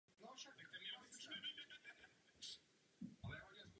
Colin Chapman původně plánoval cenově dostupný sportovní vůz pro širší veřejnost.